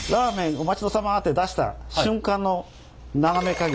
お待ち遠さまって出した瞬間の斜め加減。